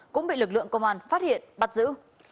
cũng bị lực lượng công an phát hiện bắt giữ